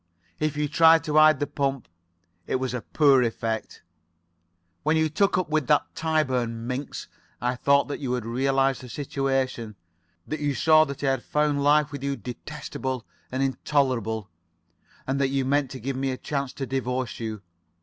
If you tried to hide the pump, it was a poor effort. "When you took up with that Tyburn minx, I thought that you had realized the situation, that you saw that I found life with you detestable and intolerable, and that you meant to give me a chance to divorce you.